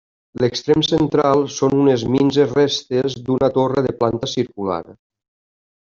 L'extrem central són unes minses restes d'una torre de planta circular.